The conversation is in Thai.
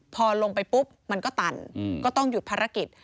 พอลงไปปุ๊บมันก็ตันก็ต้องหยุดภารกิจ